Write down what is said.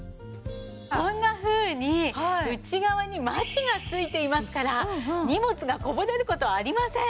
こんなふうに内側にマチが付いていますから荷物がこぼれる事はありません！